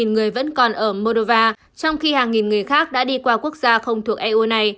một mươi người vẫn còn ở moldova trong khi hàng nghìn người khác đã đi qua quốc gia không thuộc eu này